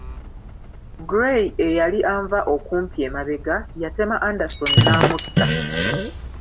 Gray eyali anva okumpi emabega yatema Anderson n'amutta.